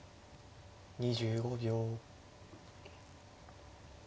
２５秒。